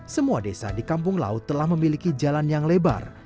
semua desa di kampung laut telah memiliki jalan yang lebar